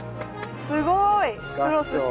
すごいクロスして。